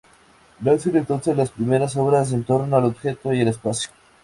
Nacen entonces las primeras obras en torno al objeto y al espacio.